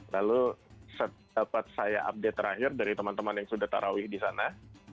lalu sempat saya update terakhir dari teman teman yang sudah taraweh di sana